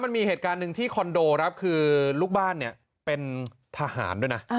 มีเหตุการณ์ที่คอนโดลูกบ้านเป็นทหารด้วยนะ